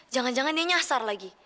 jangan jangan dia nyasar lagi